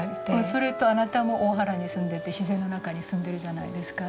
それとあなたも大原に住んでて自然の中に住んでるじゃないですか。